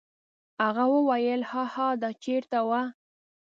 هغه وویل: هاها دا چیرته و؟